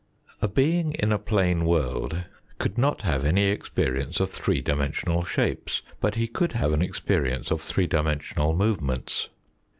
A being in a plane world could not have any ex perience of three dimensional shapes, but he could have an experience of three dimensional movements.